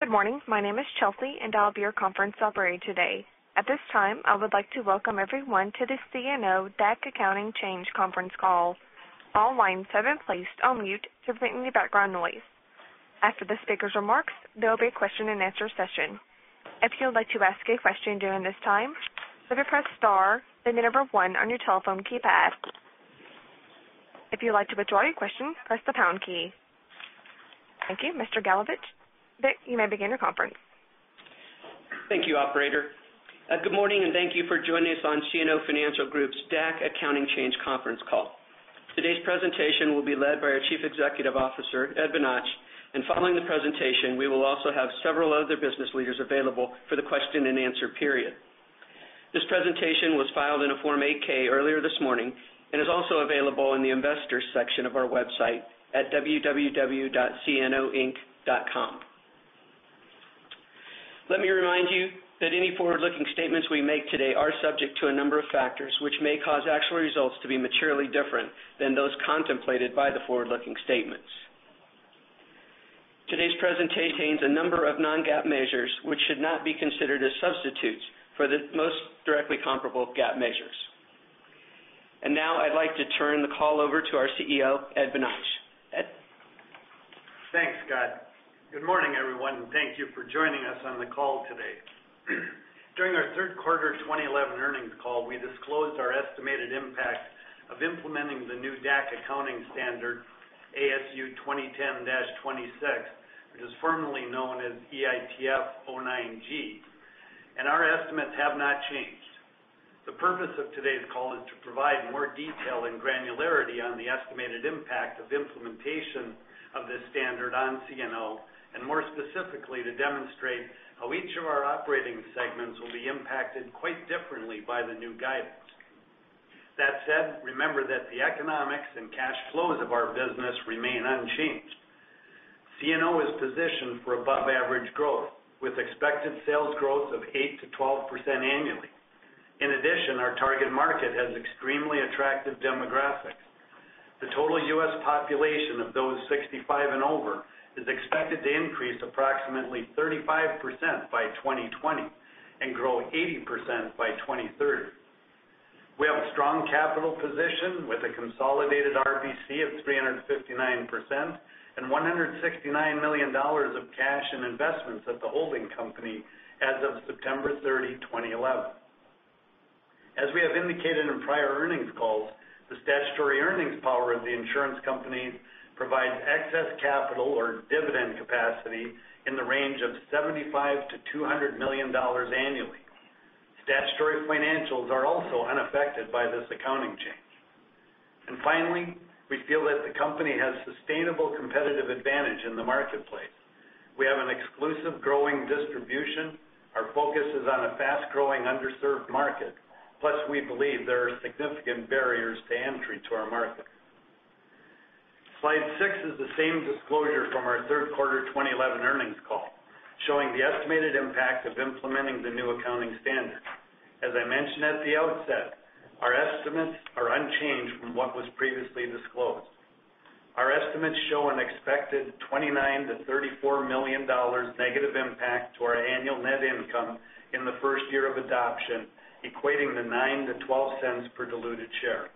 Good morning. My name is Chelsea, and I'll be your conference operator today. At this time, I would like to welcome everyone to the CNO DAC Accounting Change Conference Call. All lines have been placed on mute to prevent any background noise. After the speaker's remarks, there will be a question-and-answer session. If you would like to ask a question during this time, simply press star then the number one on your telephone keypad. If you'd like to withdraw your question, press the pound key. Thank you, Mr. Goldberg. You may begin your conference. Thank you, operator. Good morning, and thank you for joining us on CNO Financial Group's DAC Accounting Change Conference Call. Today's presentation will be led by our Chief Executive Officer, Ed Bonach. Following the presentation, we will also have several other business leaders available for the question-and-answer period. This presentation was filed in a Form 8-K earlier this morning and is also available in the investors section of our website at www.cnoinc.com. Let me remind you that any forward-looking statements we make today are subject to a number of factors which may cause actual results to be materially different than those contemplated by the forward-looking statements. Today's presentation contains a number of non-GAAP measures which should not be considered as substitutes for the most directly comparable GAAP measures. Now I'd like to turn the call over to our CEO, Ed Bonach. Ed? Thanks, Scott. Good morning, everyone, and thank you for joining us on the call today. During our third quarter 2011 earnings call, we disclosed our estimated impact of implementing the new DAC accounting standard, ASU 2010-26, which was formerly known as EITF 09-G. Our estimates have not changed. The purpose of today's call is to provide more detail and granularity on the estimated impact of implementation of this standard on CNO, more specifically, to demonstrate how each of our operating segments will be impacted quite differently by the new guidance. That said, remember that the economics and cash flows of our business remain unchanged. CNO is positioned for above-average growth, with expected sales growth of 8%-12% annually. In addition, our target market has extremely attractive demographics. The total U.S. population of those 65 and over is expected to increase approximately 35% by 2020 and grow 80% by 2030. We have a strong capital position with a consolidated RBC of 359% and $169 million of cash and investments at the holding company as of September 30, 2011. As we have indicated in prior earnings calls, the statutory earnings power of the insurance company provides excess capital or dividend capacity in the range of $75 million-$200 million annually. Statutory financials are also unaffected by this accounting change. Finally, we feel that the company has sustainable competitive advantage in the marketplace. We have an exclusive growing distribution. Our focus is on a fast-growing, underserved market. We believe there are significant barriers to entry to our market. Slide six is the same disclosure from our third quarter 2011 earnings call, showing the estimated impact of implementing the new accounting standard. As I mentioned at the outset, our estimates are unchanged from what was previously disclosed. Our estimates show an expected $29 million-$34 million negative impact to our annual net income in the first year of adoption, equating to $0.09-$0.12 per diluted share.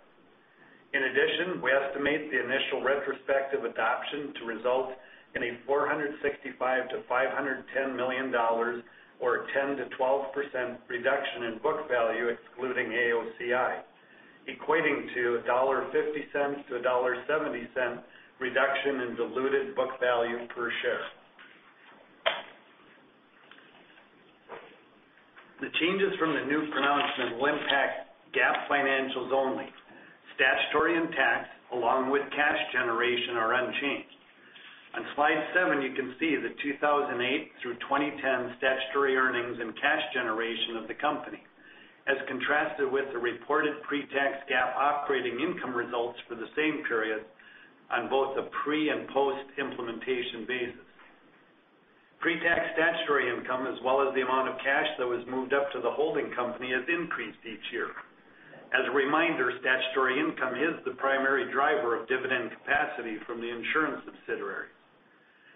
In addition, we estimate the initial retrospective adoption to result in a $465 million-$510 million or a 10%-12% reduction in book value excluding AOCI, equating to $1.50-$1.70 reduction in diluted book value per share. The changes from the new pronouncement will impact GAAP financials only. Statutory and tax, along with cash generation, are unchanged. On slide seven, you can see the 2008 through 2010 statutory earnings and cash generation of the company as contrasted with the reported pre-tax GAAP operating income results for the same period on both a pre and post-implementation basis. As a reminder, statutory income is the primary driver of dividend capacity from the insurance subsidiaries.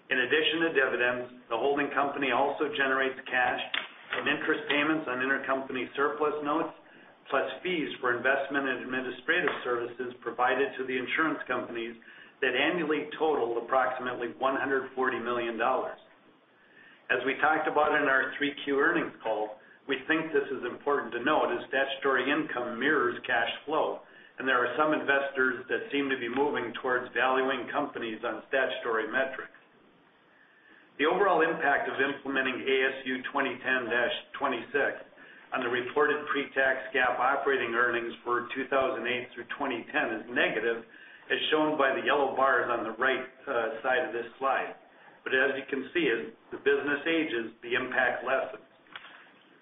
In addition to dividends, the holding company also generates cash from interest payments on intercompany surplus notes, plus fees for investment and administrative services provided to the insurance companies that annually total approximately $140 million. As we talked about in our 3Q earnings call, we think this is important to note as statutory income mirrors cash flow, and there are some investors that seem to be moving towards valuing companies on statutory metrics. The overall impact of implementing ASU 2010-26 on the reported pre-tax GAAP operating earnings for 2008 through 2010 is negative, as shown by the yellow bars on the right side of this slide. As you can see, as the business ages, the impact lessens.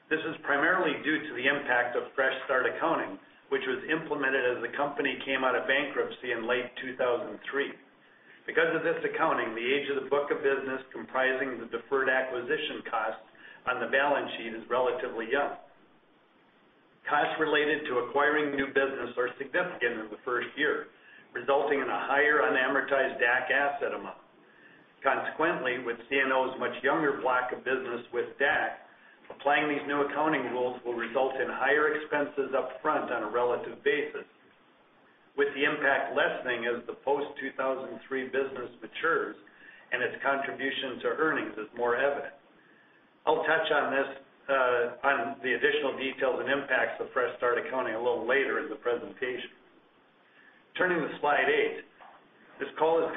This is primarily due to the impact of fresh start accounting, which was implemented as the company came out of bankruptcy in late 2003. Because of this accounting, the age of the book of business comprising the deferred acquisition costs on the balance sheet is relatively young. Costs related to acquiring new business are significant in the first year, resulting in a higher unamortized DAC asset amount. Consequently, with CNO's much younger block of business with DAC, applying these new accounting rules will result in higher expenses upfront on a relative basis, with the impact lessening as the post-2003 business matures and its contribution to earnings is more evident. I'll touch on the additional details and impacts of fresh start accounting a little later in the presentation. Turning to slide eight. This call is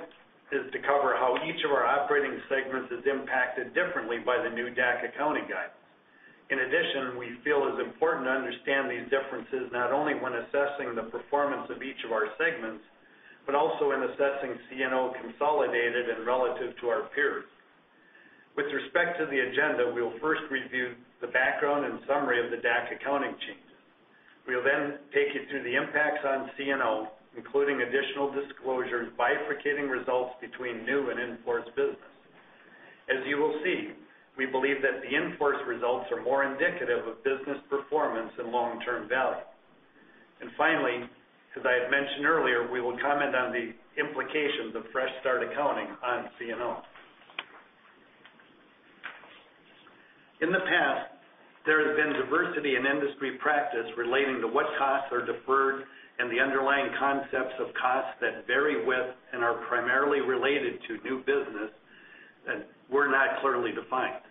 to cover how each of our operating segments is impacted differently by the new DAC accounting guidance. In addition, we feel it's important to understand these differences not only when assessing the performance of each of our segments, but also in assessing CNO consolidated and relative to our peers. With respect to the agenda, we will first review the background and summary of the DAC accounting changes. We will then take you through the impacts on CNO, including additional disclosures bifurcating results between new and in-force business. As you will see, we believe that the in-force results are more indicative of business performance and long-term value. Finally, as I had mentioned earlier, we will comment on the implications of fresh start accounting on CNO. In the past, there has been diversity in industry practice relating to what costs are deferred and the underlying concepts of costs that vary with and are primarily related to new business that were not clearly defined.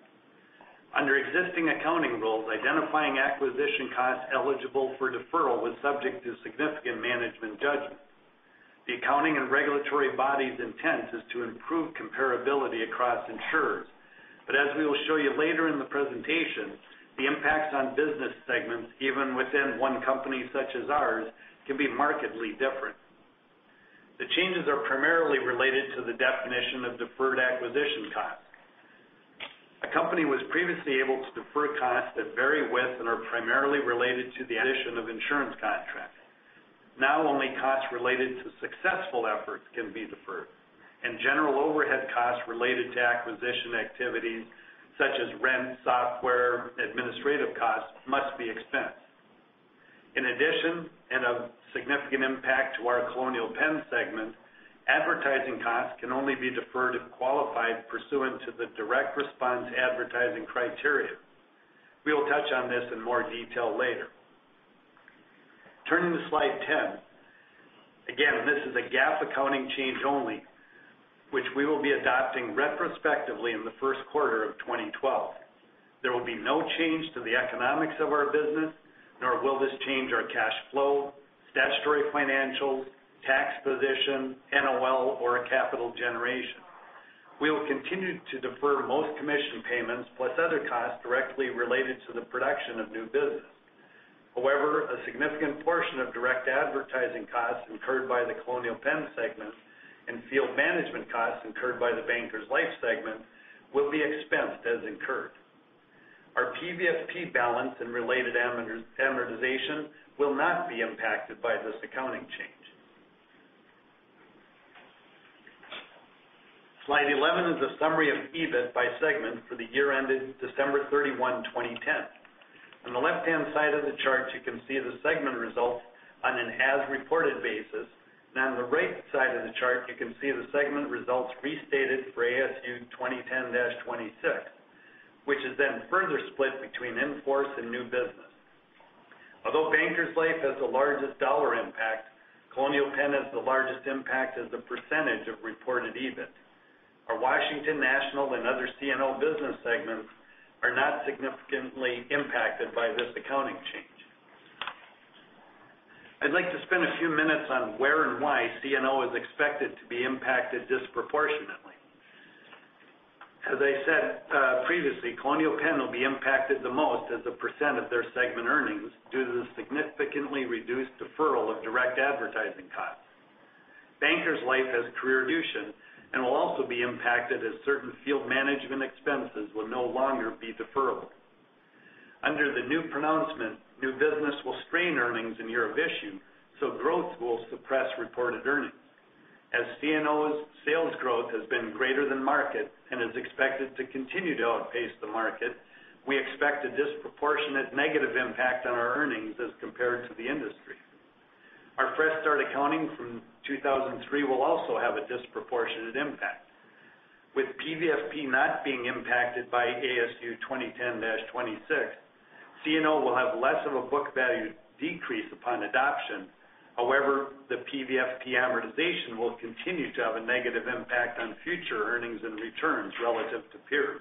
Under existing accounting rules, identifying acquisition costs eligible for deferral was subject to significant management judgment. The accounting and regulatory body's intent is to improve comparability across insurers, but as we will show you later in the presentation, the impacts on business segments, even within one company such as ours, can be markedly different. The changes are primarily related to the definition of deferred acquisition costs. A company was previously able to defer costs that vary with and are primarily related to the addition of insurance contracts. Now, only costs related to successful efforts can be deferred, general overhead costs related to acquisition activities such as rent, software, administrative costs must be expensed. In addition, and of significant impact to our Colonial Penn segment, advertising costs can only be deferred if qualified pursuant to the direct response advertising criteria. We will touch on this in more detail later. Turning to slide 10. Again, this is a GAAP accounting change only, which we will be adopting retrospectively in the first quarter of 2012. There will be no change to the economics of our business, nor will this change our cash flow, statutory financials, tax position, NOL, or capital generation. We will continue to defer most commission payments plus other costs directly related to the production of new business. However, a significant portion of direct advertising costs incurred by the Colonial Penn segment and field management costs incurred by the Bankers Life segment will be expensed as incurred. Our PVFP balance and related amortization will not be impacted by this accounting change. Slide 11 is a summary of EBIT by segment for the year ended December 31, 2010. On the left-hand side of the chart, you can see the segment results on an as-reported basis, and on the right side of the chart, you can see the segment results restated for ASU 2010-26, which is then further split between in-force and new business. Although Bankers Life has the largest dollar impact, Colonial Penn has the largest impact as a percentage of reported EBIT. Our Washington National and other CNO business segments are not significantly impacted by this accounting change. I'd like to spend a few minutes on where and why CNO is expected to be impacted disproportionately. As I said previously, Colonial Penn will be impacted the most as a % of their segment earnings due to the significantly reduced deferral of direct advertising costs. Bankers Life has pre-reduction and will also be impacted as certain field management expenses will no longer be deferred. Under the new pronouncement, new business will strain earnings in year of issue, growth will suppress reported earnings. As CNO's sales growth has been greater than market and is expected to continue to outpace the market, we expect a disproportionate negative impact on our earnings as compared to the industry. Our fresh start accounting from 2003 will also have a disproportionate impact. With PVFP not being impacted by ASU 2010-26, CNO will have less of a book value decrease upon adoption. The PVFP amortization will continue to have a negative impact on future earnings and returns relative to peers.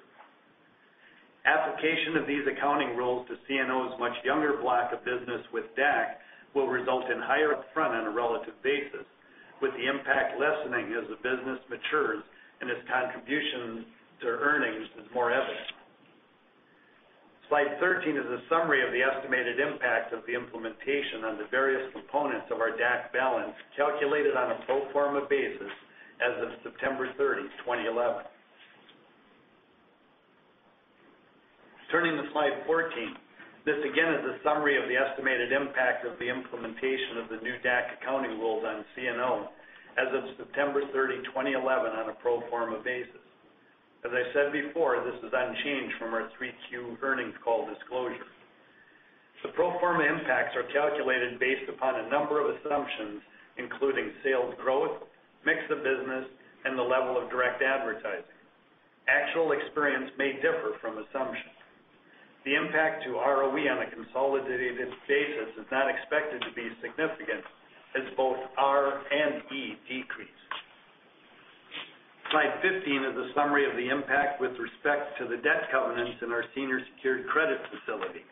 Application of these accounting rules to CNO's much younger block of business with DAC will result in higher upfront on a relative basis, with the impact lessening as the business matures and its contribution to earnings is more evident. Slide 13 is a summary of the estimated impact of the implementation on the various components of our DAC balance, calculated on a pro forma basis as of September 30, 2011. Turning to slide 14. This again is a summary of the estimated impact of the implementation of the new DAC accounting rules on CNO as of September 30, 2011, on a pro forma basis. As I said before, this is unchanged from our 3Q earnings call disclosure. The pro forma impacts are calculated based upon a number of assumptions, including sales growth, mix of business, and the level of direct advertising. Actual experience may differ from assumptions. The impact to ROE on a consolidated basis is not expected to be significant as both R and E decrease. Slide 15 is a summary of the impact with respect to the debt covenants in our senior secured credit facility.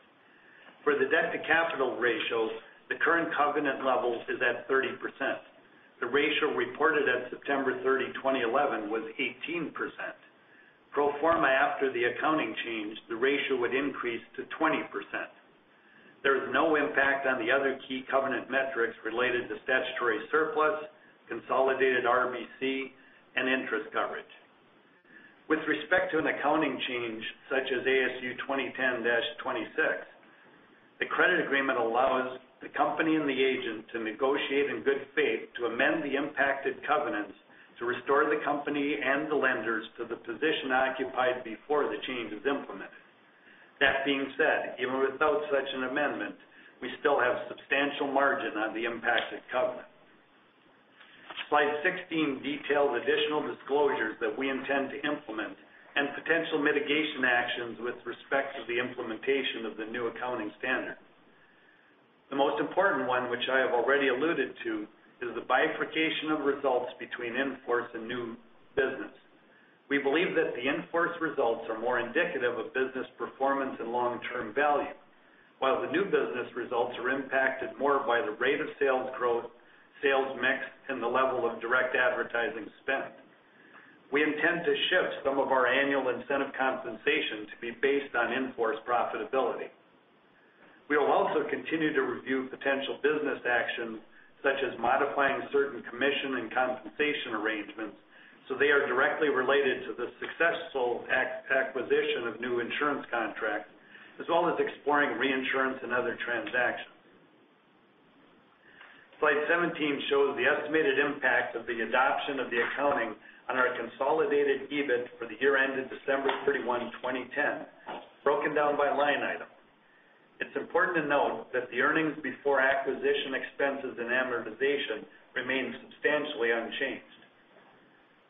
For the debt-to-capital ratio, the current covenant level is at 30%. The ratio reported at September 30, 2011, was 18%. Pro forma after the accounting change, the ratio would increase to 20%. There is no impact on the other key covenant metrics related to statutory surplus, consolidated RBC, and interest coverage. With respect to an accounting change such as ASU 2010-26, the credit agreement allows the company and the agent to negotiate in good faith to amend the impacted covenants to restore the company and the lenders to the position occupied before the change is implemented. Even without such an amendment, we still have substantial margin on the impacted covenant. Slide 16 details additional disclosures that we intend to implement and potential mitigation actions with respect to the implementation of the new accounting standard. The most important one, which I have already alluded to, is the bifurcation of results between in-force and new business. We believe that the in-force results are more indicative of business performance and long-term value, while the new business results are impacted more by the rate of sales growth, sales mix, and the level of direct advertising spend. We intend to shift some of our annual incentive compensation to be based on in-force profitability. We will also continue to review potential business actions, such as modifying certain commission and compensation arrangements so they are directly related to the successful acquisition of new insurance contracts, as well as exploring reinsurance and other transactions. Slide 17 shows the estimated impact of the adoption of the accounting on our consolidated EBIT for the year ended December 31, 2010, broken down by line item. It's important to note that the earnings before acquisition expenses and amortization remain substantially unchanged.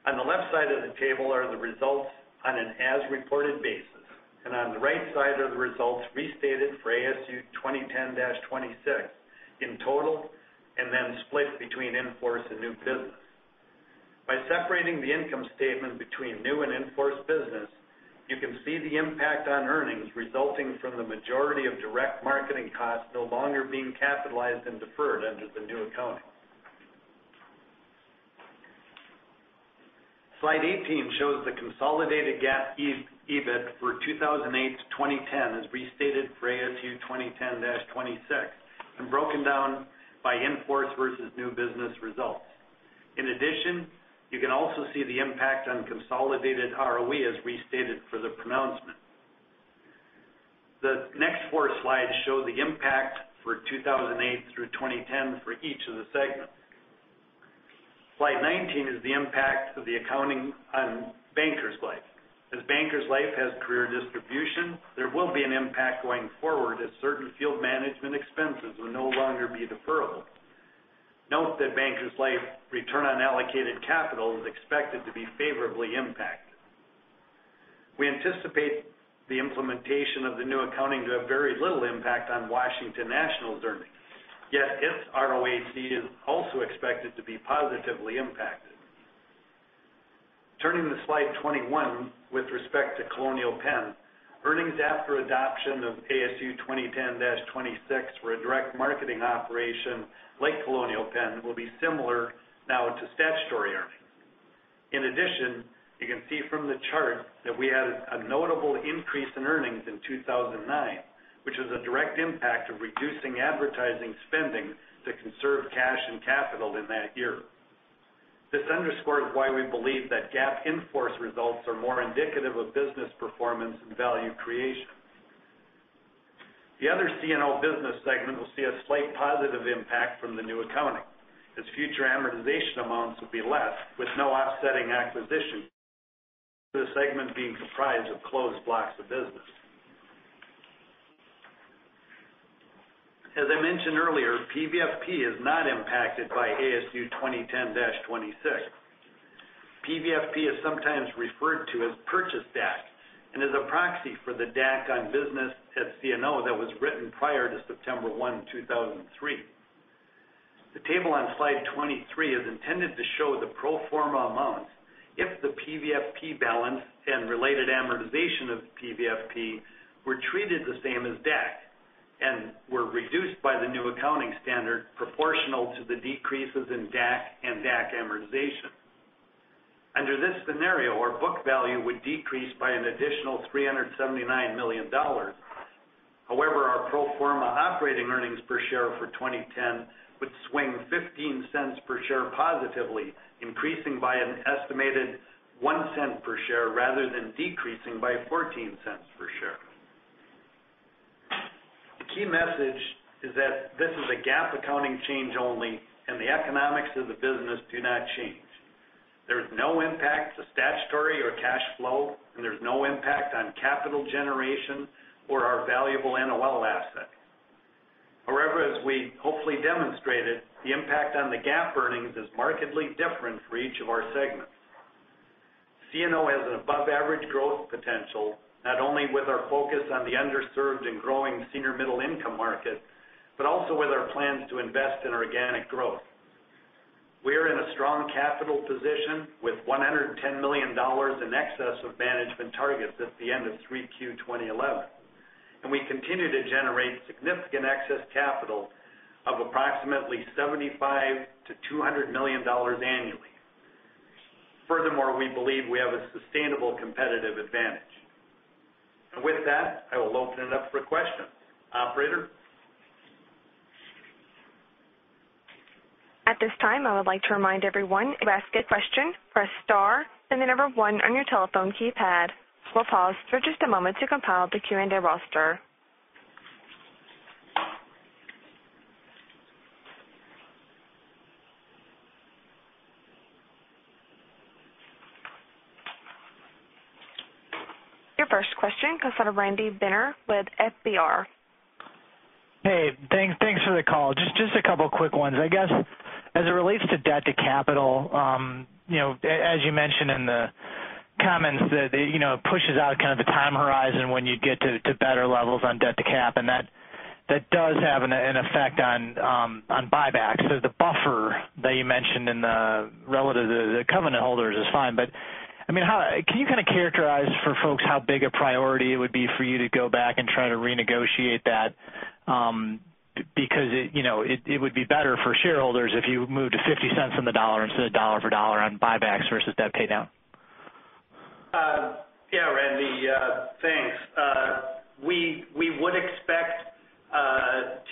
On the left side of the table are the results on an as-reported basis, and on the right side are the results restated for ASU 2010-26 in total, and then split between in-force and new business. By separating the income statement between new and in-force business, you can see the impact on earnings resulting from the majority of direct marketing costs no longer being capitalized and deferred under the new accounting. Slide 18 shows the consolidated GAAP EBIT for 2008 to 2010 as restated for ASU 2010-26 and broken down by in-force versus new business results. In addition, you can also see the impact on consolidated ROE as restated for the pronouncement. The next four slides show the impact for 2008 through 2010 for each of the segments. Slide 19 is the impact of the accounting on Bankers Life. As Bankers Life has career distribution, there will be an impact going forward as certain field management expenses will no longer be deferrable. Note that Bankers Life return on allocated capital is expected to be favorably impacted. We anticipate the implementation of the new accounting to have very little impact on Washington National's earnings, yet its ROAC is also expected to be positively impacted. Turning to slide 21 with respect to Colonial Penn, earnings after adoption of ASU 2010-26 for a direct marketing operation like Colonial Penn will be similar now to statutory earnings. In addition, you can see from the chart that we had a notable increase in earnings in 2009, which is a direct impact of reducing advertising spending to conserve cash and capital in that year. This underscores why we believe that GAAP in-force results are more indicative of business performance and value creation. The other CNO business segment will see a slight positive impact from the new accounting, as future amortization amounts will be less with no offsetting acquisition, with the segment being comprised of closed blocks of business. As I mentioned earlier, PVFP is not impacted by ASU 2010-26. PVFP is sometimes referred to as purchase DAC and is a proxy for the DAC on business at CNO that was written prior to September 1, 2003. The table on slide 23 is intended to show the pro forma amounts if the PVFP balance and related amortization of PVFP were treated the same as DAC and were reduced by the new accounting standard proportional to the decreases in DAC and DAC amortization. Under this scenario, our book value would decrease by an additional $379 million. However, our pro forma operating earnings per share for 2010 would swing $0.15 per share positively, increasing by an estimated $0.01 per share rather than decreasing by $0.14 per share. The key message is that this is a GAAP accounting change only, and the economics of the business do not change. There is no impact to statutory or cash flow, there's no impact on capital generation or our valuable NOL asset. However, as we hopefully demonstrated, the impact on the GAAP earnings is markedly different for each of our segments. CNO has an above-average growth potential, not only with our focus on the underserved and growing senior middle-income market, but also with our plans to invest in organic growth. We are in a strong capital position with $110 million in excess of management targets at the end of 3Q 2011, and we continue to generate significant excess capital of approximately $75 million to $200 million annually. Furthermore, we believe we have a sustainable competitive advantage. With that, I will open it up for questions. Operator? At this time, I would like to remind everyone, to ask a question, press star, then the number one on your telephone keypad. We'll pause for just a moment to compile the Q&A roster. Your first question comes out of Randy Binner with FBR. Hey. Thanks for the call. Just a couple quick ones. I guess, as it relates to debt to capital, as you mentioned in the comments that it pushes out kind of the time horizon when you get to better levels on debt to cap, that does have an effect on buybacks. The buffer that you mentioned in the relative to the covenant holders is fine. Can you kind of characterize for folks how big a priority it would be for you to go back and try to renegotiate that? Because it would be better for shareholders if you moved to $0.50 on the dollar instead of $1 for $1 on buybacks versus debt paydown. Yeah, Randy. Thanks. We would expect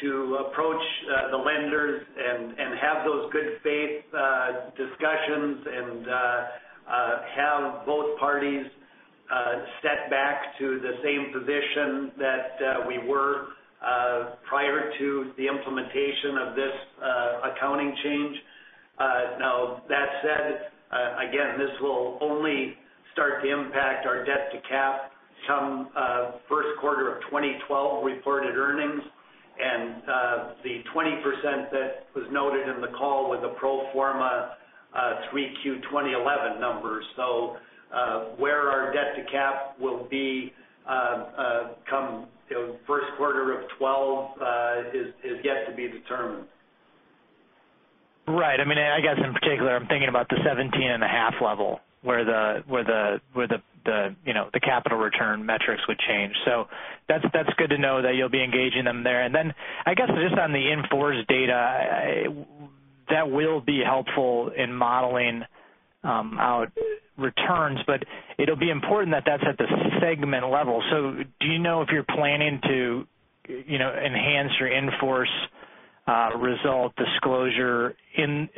to approach the lenders and have those good faith discussions and have both parties step back to the same position that we were prior to the implementation of this accounting change. That said, again, this will only start to impact our debt to cap come first quarter of 2012 reported earnings. The 20% that was noted in the call was a pro forma 3Q 2011 number. Where our debt to cap will be come first quarter of 2012 is yet to be determined. Right. I guess in particular, I'm thinking about the 17.5 level, where the capital return metrics would change. That's good to know that you'll be engaging them there. Then I guess just on the in-force data, that will be helpful in modeling out returns. It'll be important that that's at the segment level. Do you know if you're planning to enhance your in-force result disclosure in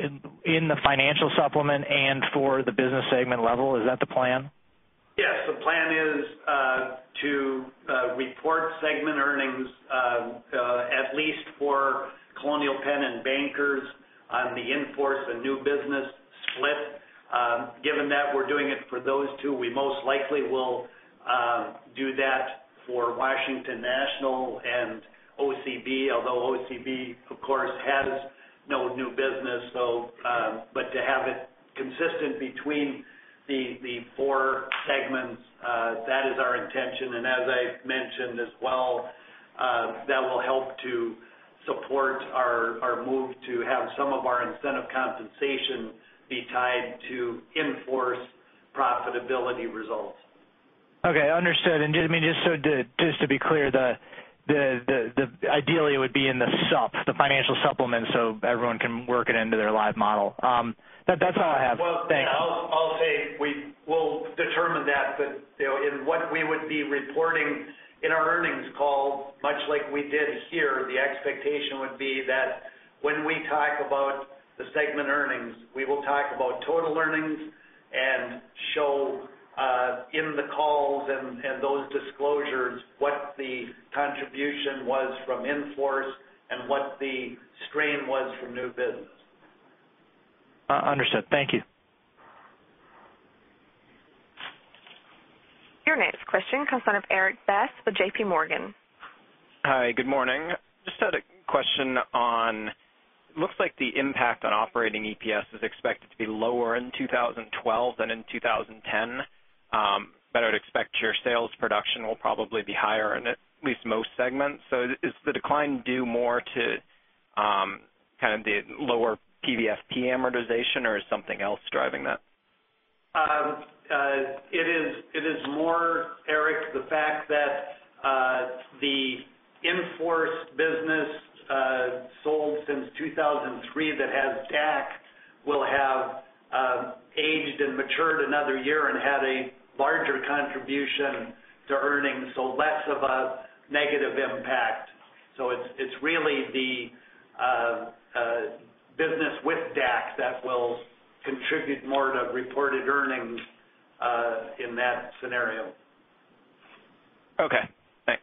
the financial supplement and for the business segment level? Is that the plan? Yes, the plan is to report segment earnings at least for Colonial Penn and Bankers on the in-force and new business split. Given that we're doing it for those two, we most likely will do that for Washington National and OCB. Although OCB, of course, has no new business. To have it consistent between the four segments, that is our intention. As I've mentioned as well, that will help to support our move to have some of our incentive compensation be tied to in-force profitability results. Okay, understood. Just to be clear, ideally, it would be in the sup, the financial supplement, so everyone can work it into their live model. That's all I have. Thanks. Well, I'll say we will determine that. In what we would be reporting in our earnings call, much like we did here, the expectation would be that when we talk about the segment earnings, we will talk about total earnings and show in the calls and those disclosures what the contribution was from in-force and what the strain was from new business. Understood. Thank you. Your next question comes out of Eric Bass with JPMorgan. Hi, good morning. Just had a question on, looks like the impact on operating EPS is expected to be lower in 2012 than in 2010. I would expect your sales production will probably be higher in at least most segments. Is the decline due more to kind of the lower PVFP amortization, or is something else driving that? It is more, Eric, the fact that the in-force business sold since 2003 that has DAC will have aged and matured another year and had a larger contribution to earnings, so less of a negative impact. It's really the business Contribute more to reported earnings in that scenario. Okay, thanks.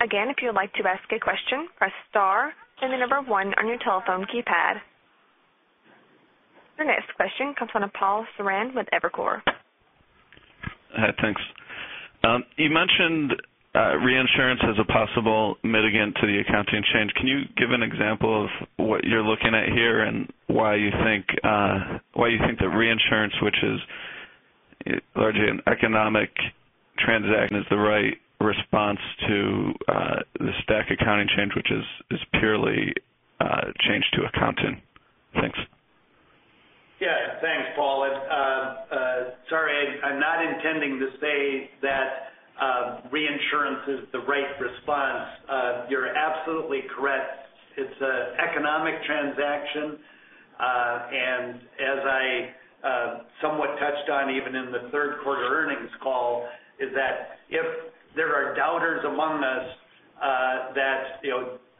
Again, if you would like to ask a question, press star and the number 1 on your telephone keypad. Your next question comes from Thomas Gallagher with Evercore. Hi, thanks. You mentioned reinsurance as a possible mitigant to the accounting change. Can you give an example of what you're looking at here and why you think that reinsurance, which is largely an economic transaction, is the right response to the stat accounting change, which is purely a change to accounting? Thanks. Yeah. Thanks, Thomas. Sorry, I'm not intending to say that reinsurance is the right response. You're absolutely correct. It's an economic transaction. As I somewhat touched on, even in the third quarter earnings call, is that if there are doubters among us that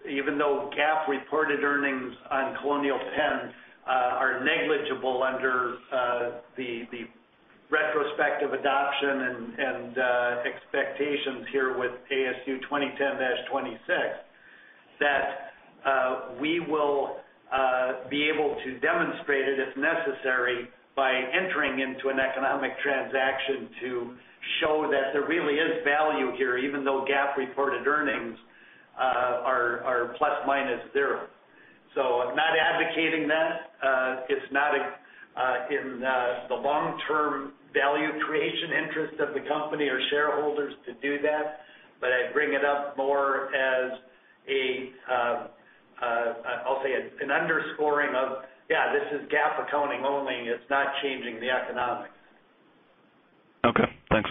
even though GAAP reported earnings on Colonial Penn are negligible under the retrospective adoption and expectations here with ASU 2010-26, that we will be able to demonstrate it, if necessary, by entering into an economic transaction to show that there really is value here, even though GAAP reported earnings are plus/minus zero. I'm not advocating that. It's not in the long-term value creation interest of the company or shareholders to do that. I bring it up more as a, I'll say, an underscoring of, yeah, this is GAAP accounting only. It's not changing the economics. Okay, thanks.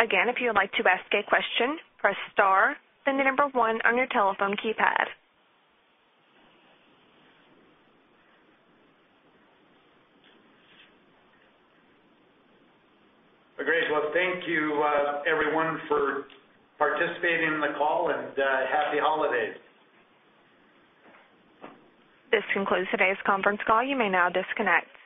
Again, if you would like to ask a question, press star, then the number one on your telephone keypad. Agreed. Well, thank you, everyone, for participating in the call, and happy holidays. This concludes today's conference call. You may now disconnect.